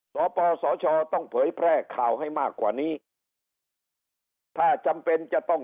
สปสชต้องเผยแพร่ข่าวให้มากกว่านี้ถ้าจำเป็นจะต้อง